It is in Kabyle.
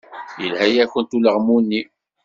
Yelha-yakent ulaɣmu-nni.